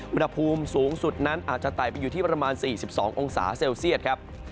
อุณหภูมิสูงสุดนั้นอาจจะไต่ไปอยู่ที่ประมาณ๔๒องศาเซลเซียตครับ